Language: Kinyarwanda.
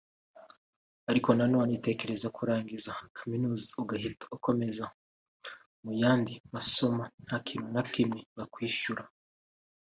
Ariko na none tekereza kurangiza kaminuza ugahita ukomereza mu yandi masomo nta kintu na kimwe bakwishyura